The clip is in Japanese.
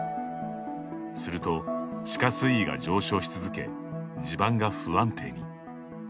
すると地下水位が上昇し続け地盤が不安定に。